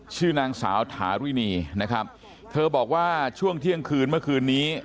ชื่อนางสาวถารุณีนะครับเธอบอกว่าช่วงเที่ยงคืนเมื่อคืนนี้